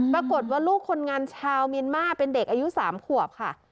ปรากฏว่าลูกคนงานชาวเมียนมาร์เป็นเด็กอายุ๓ขวบค่ะ